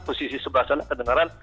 posisi sebelah sana kedengeran